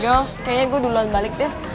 gios kayaknya gue duluan balik deh